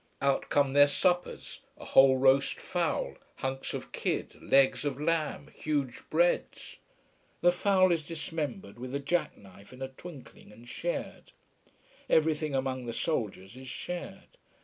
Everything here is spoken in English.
Out come their suppers: a whole roast fowl, hunks of kid, legs of lamb, huge breads. The fowl is dismembered with a jack knife in a twinkling, and shared. Everything among the soldiers is shared.